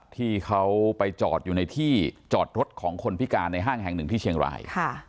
ที่เขาไปจอดอยู่ในที่จอดรถของคนพิการในห้างแห่งหนึ่งที่เชียงราย